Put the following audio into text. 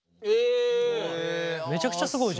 めちゃくちゃすごいじゃん。